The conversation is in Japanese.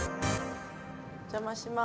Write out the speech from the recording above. お邪魔します。